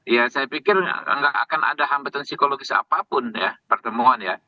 ya saya pikir nggak akan ada hambatan psikologis apapun ya pertemuan ya